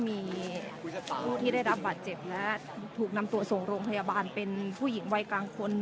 มีผู้ที่ได้รับบาดเจ็บและถูกนำตัวส่งโรงพยาบาลเป็นผู้หญิงวัยกลางคน